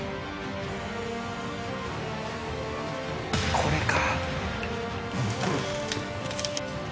これか。